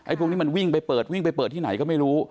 พวกนี้มันวิ่งไปเปิดวิ่งไปเปิดที่ไหนก็ไม่รู้